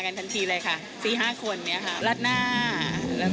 ตัดสินใจมากันรู้จักกันทันทีเลย